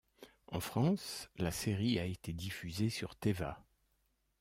En France, la série a été diffusée sur Téva.